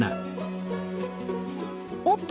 おっと！